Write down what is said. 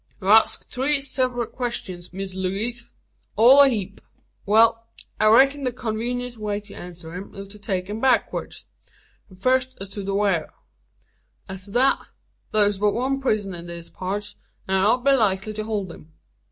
"You've asked three seprit questyuns, Miss Lewaze, all o' a heep. Wal; I reck'n the conveenientest way to answer 'em 'll be to take 'em backurds. An' fust as to the whar. As to thet, thur's but one prison in these parts, as 'ud be likely to hold him.